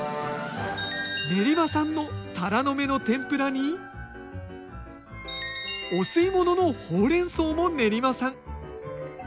練馬産のたらの芽の天ぷらにお吸い物のほうれんそうも練馬産。